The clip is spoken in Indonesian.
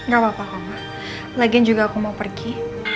gak apa apa lagian juga aku mau pergi